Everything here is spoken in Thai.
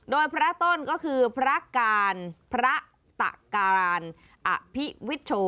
โดยพระต้นก็คือพระการพระตะการอภิวิโช